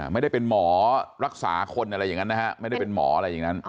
ไม่ได้เป็นหมอรักษาคนอะไรอย่างนั้นนะฮะไม่ได้เป็นหมออะไรอย่างนั้น